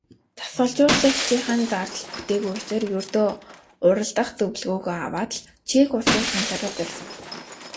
Дасгалжуулагчийнх нь зардал бүтээгүй учир ердөө уралдах зөвлөгөөгөө аваад л Чех улсыг ганцаараа зорьсон.